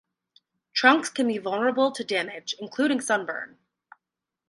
Trunks can be vulnerable to damage, including sunburn.